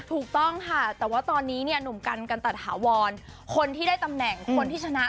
ถูกต้องค่ะแต่ว่าตอนนี้เนี่ยหนุ่มกันกันตะถาวรคนที่ได้ตำแหน่งคนที่ชนะ